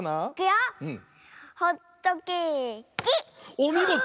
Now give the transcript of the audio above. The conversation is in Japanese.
おみごと！